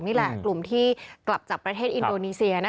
นี่แหละกลุ่มที่กลับจากประเทศอินโดนีเซีย